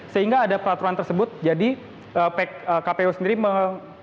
sehingga ada peraturan tersebut jadi kpu sendiri melakukan